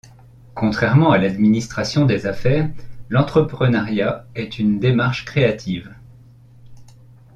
Contrairement à l'administration des affaires, l´entrepreneuriat est une démarche créative.